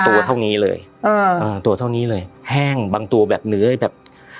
ตัวเท่านี้เลยอ่าอ่าตัวเท่านี้เลยแห้งบางตัวแบบเนื้อแบบ